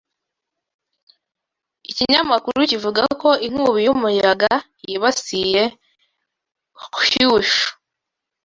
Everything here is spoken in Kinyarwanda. Ikinyamakuru kivuga ko inkubi y'umuyaga yibasiye Kyushu.